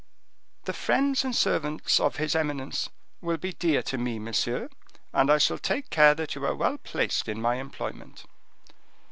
"The friends and servants of his eminence will be dear to me, monsieur, and I shall take care that you are well placed in my employment."